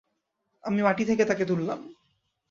আমি মাটি থেকে তাকে তুললাম।